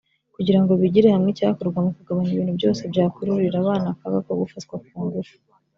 kugira ngo bigire hamwe icyakorwa mu kugabanya ibintu byose byakururira abana akaga ko gufatwa ku ngufu